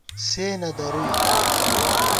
سے نہ درُوئی